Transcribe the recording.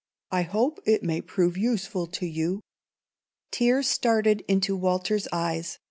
I hope it may prove useful to you." Tears started into Walter's eyes.